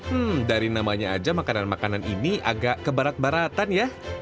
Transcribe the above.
hmm dari namanya aja makanan makanan ini agak ke baratan ya